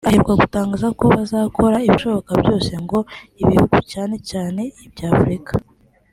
aheruka gutangaza ko bazakora ibishoboka byose ngo “ibihugu cyane cyane ibya Afurika